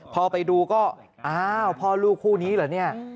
พอไปดูก็พอลูกคู่นี้เหรอนี่